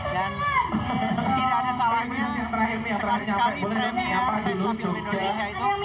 dan tidak ada salahnya sekali sekali premier best film indonesia itu